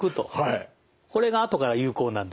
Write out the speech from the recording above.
これがあとから有効なんですよ。